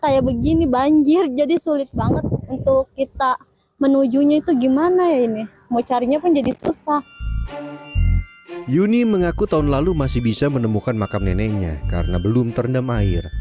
yuni mengaku tahun lalu masih bisa menemukan makam neneknya karena belum terendam air